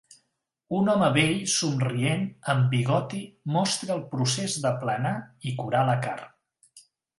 Un home vell somrient amb bigoti mostra el procés d'aplanar i curar la carn